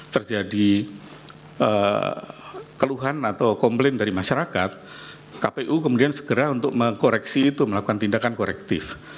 terjadi keluhan atau komplain dari masyarakat kpu kemudian segera untuk mengkoreksi itu melakukan tindakan korektif